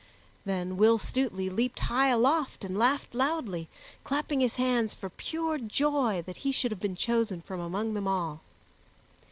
Then Will Stutely leaped high aloft and laughed loudly, clapping his hands for pure joy that he should have been chosen from among them all.